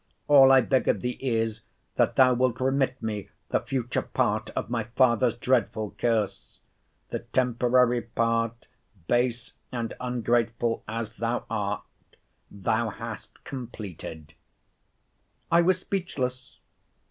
—All I beg of thee is, that thou wilt remit me the future part of my father's dreadful curse! the temporary part, base and ungrateful as thou art! thou hast completed! I was speechless!